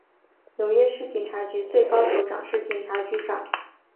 纽约市警察局最高首长是警察局长。